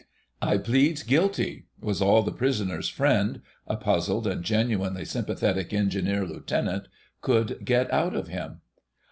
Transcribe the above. "I pleads guilty," was all the prisoner's friend (a puzzled and genuinely sympathetic Engineer Lieutenant) could get out of him.